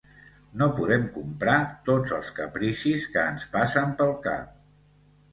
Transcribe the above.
No podem comprar tots els capricis que ens passen pel cap.